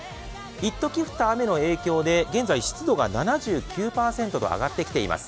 一時降った雨の影響で、現在湿度が７９％と上がってきています。